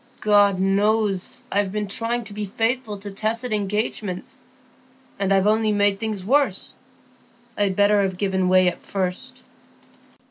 God knows, I've been trying to be faithful to tacit engagements, and I've only made things worse; I'd better have given way at first."